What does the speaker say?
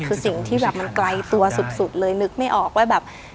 คือสิ่งที่แบบมันไกลตัวสุดเลยนึกไม่ออกว่าแบบ